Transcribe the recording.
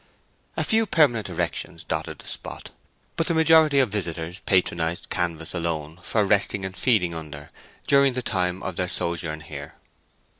A few permanent erections dotted the spot, but the majority of visitors patronized canvas alone for resting and feeding under during the time of their sojourn here.